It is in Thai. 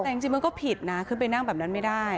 แต่จริงมันก็ผิดนะคือไปนั่งแบบนั้นไม่ได้